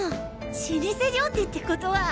老舗料亭ってことは。